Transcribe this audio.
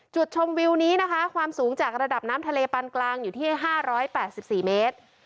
จุดชมวิวนี้นะคะความสูงจากระดับน้ำทะเลปานกลางอยู่ที่๕๘๔เมตร